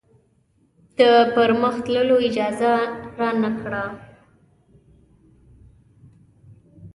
د پرمخ تللو اجازه رانه کړه.